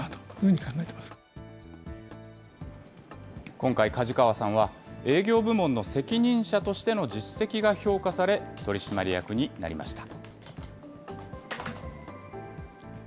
今回、梶川さんは、営業部門の責任者としての実績が評価され、取締役になりました。